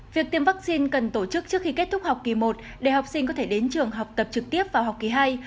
việc tiêm vaccine cần tổ chức trước khi kết thúc học kỳ một để học sinh có thể đến trường học tập trực tiếp vào học kỳ hai